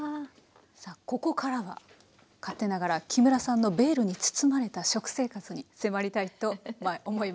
さあここからは勝手ながら木村さんのベールに包まれた食生活に迫りたいと思います。